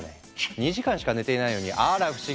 ２時間しか寝てないのにあら不思議！